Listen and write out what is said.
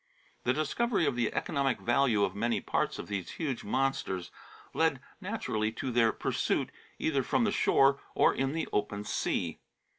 The discovery of the economic value of many parts of these huge monsters led naturally to their pursuit, either from the shore or in the open sea.